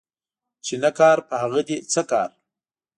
چي نه کار ، په هغه دي څه کار